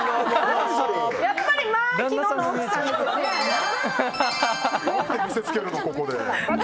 何で見せつけるの、ここで。